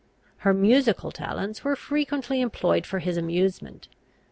Her musical talents were frequently employed for his amusement.